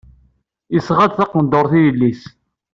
Yesɣa-d taqendurt i yelli-s.